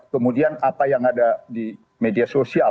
kemudian apa yang ada di media sosial